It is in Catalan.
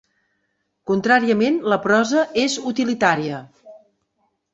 Contràriament, la prosa és utilitària.